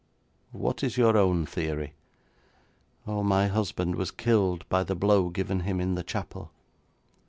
'What is your own theory?' 'Oh, my husband was killed by the blow given him in the chapel.'